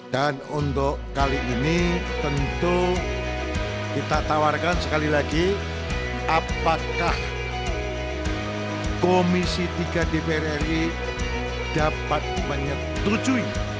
dan untuk kali ini tentu kita tawarkan sekali lagi apakah komisi tiga dpr ri dapat menyetujui